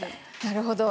なるほど。